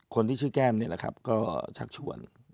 คนที่ชื่อแก้มนี่แหละครับก็ชักชวน